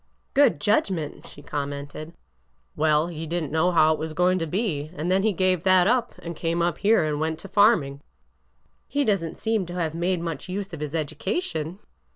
''Good judgment!" she coijnmented. " Well, he did n't know how it was going to be, — and then he gave that up and came up here and went to farming." " He does n't seem to have made much use of his edu cation."